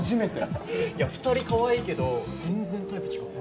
ははっいや２人かわいいけど全然タイプ違うね。